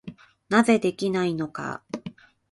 なぜできないのか。